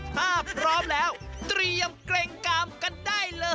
ถ้าพร้อมแล้วเตรียมเกร็งกามกันได้เลย